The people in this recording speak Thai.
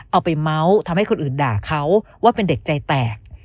เอาไปเมาส์ทำให้คนอื่นด่าเขาว่าเป็นเด็กใจแตก